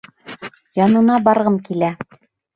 Янына барғым килә.